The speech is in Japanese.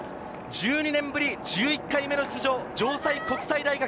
１２年ぶり１１回目の出場、城西国際大学。